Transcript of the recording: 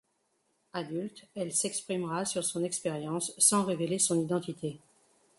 Adulte, elle s'exprimera sur son expérience sans révéler son identité.